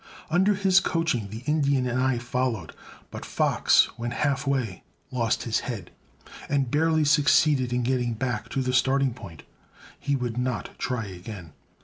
Under his coaching the Indian and I followed; but Fox, when half way, lost his head, and barely succeeded in getting back to the starting point. He would not try again.